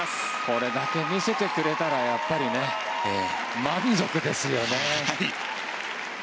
これだけ見せてくれたら満足ですよね。